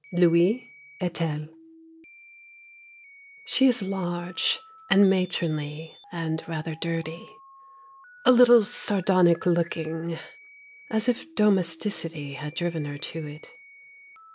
LUI ET ELLE She is large and matronly And rather dirty, A little sardonic looking, as if domesticity had driven her to it.